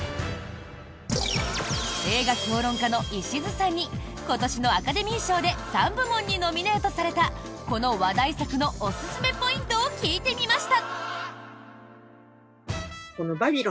映画評論家の石津さんに今年のアカデミー賞で３部門にノミネートされたこの話題作のおすすめポイントを聞いてみました。